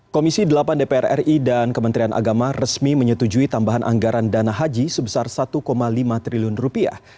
komisi delapan dpr ri dan kementerian agama resmi menyetujui tambahan anggaran dana haji sebesar satu lima triliun rupiah